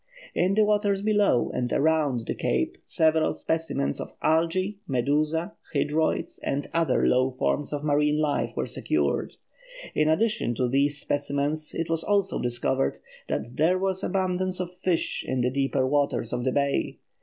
In the waters below and around the cape several specimens of algæ, medusa, hydroids, and other low forms of marine life were secured. In addition to these specimens it was also discovered that there was abundance of fish in the deeper waters of the bay.